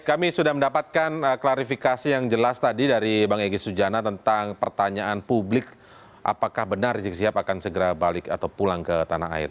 kami sudah mendapatkan klarifikasi yang jelas tadi dari bang egy sujana tentang pertanyaan publik apakah benar rizik sihab akan segera balik atau pulang ke tanah air